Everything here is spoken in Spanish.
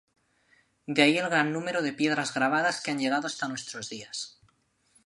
De ahí el gran número de piedras grabadas que han llegado hasta nuestros días.